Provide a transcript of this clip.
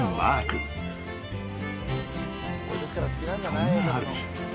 ［そんなある日。